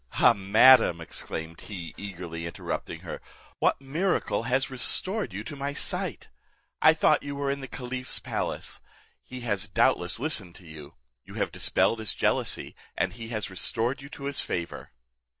"Ah! madam," exclaimed he, eagerly interrupting her, "what miracle has restored you to my sight? I thought you were in the caliph's palace; he has doubtless listened to you. You have dispelled his jealousy, and he has restored you to his favour."